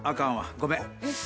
ごめん。